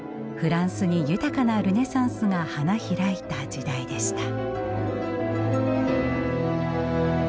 フランスに豊かなルネサンスが花開いた時代でした。